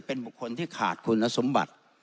เป็นบุคคลที่ขาดคุณสมบัติ